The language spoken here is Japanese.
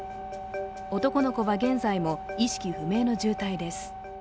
男の子は現在も意識不明の重体です。